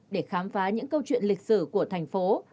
để khám phá những câu chuyện lịch sử của thành phố